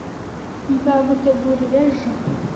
Nzagutegurira ejo.